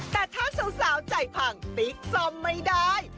แต่ถ้าสาวใจพังติ๊กซ่อมไม่ได้